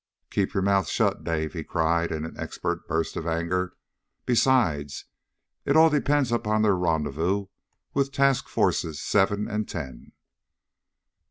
"Keep your mouth shut, Dave!" he cried in an expert burst of anger. "Besides, it all depends upon their rendezvous with Task Forces Seven and Ten."